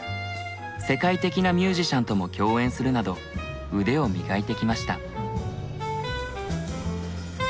世界的なミュージシャンとも共演するなど腕を磨いてきました。